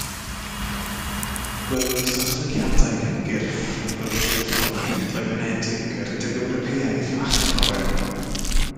Gwelwyd datblygiadau gan gyrff rhynglywodraethol y Cenhedloedd Unedig, yr Undeb Ewropeaidd a Chyngor Ewrop.